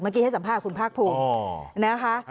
เมื่อกี้ให้สัมภาพคุณภาครภูมินะคะ